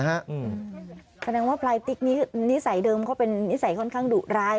เพราะฉะนั้นว่าพลายติ๊กนิสัยเดิมเขาเป็นนิสัยค่อนข้างดุร้าย